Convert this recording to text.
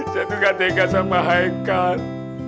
saya juga dega sama haikat